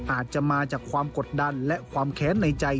อาจจะมาจากความกดดันและความแค้นในใจ